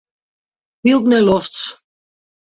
Pylk nei lofts.